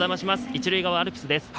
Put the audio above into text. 一塁側アルプスです。